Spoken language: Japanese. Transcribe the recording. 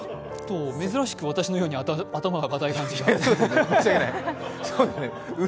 珍しく私のように頭が堅い感じが。